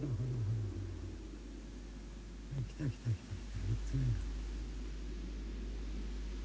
来た来た来た３つ目が。